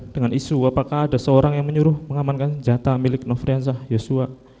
dengan isu apakah ada seorang yang menyuruh mengamankan senjata milik nofriansah yosua